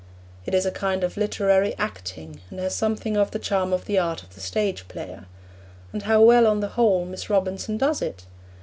It is a kind of literary acting, and has something of the charm of the art of the stage player. And how well, on the whole, Miss Robinson does it!